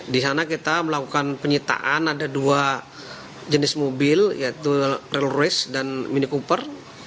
di sana kita melakukan penyitaan ada dua jenis mobil yaitu rail royce dan mini cooper